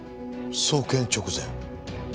送検直前。